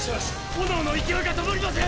・炎の勢いが止まりません